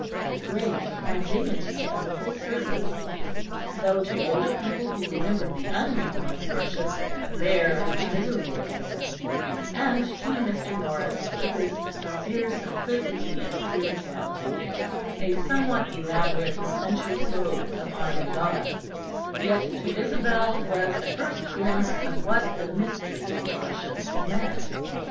The grace and dignity of the whole service, though to older people who remembered the unreformed worship a bare and miserable affair, and to Mr. Norris, with his sincere simplicity and spirituality, a somewhat elaborate and sensuous mode of honouring God, yet to Isabel was a first glimpse of what the mystery of worship meant.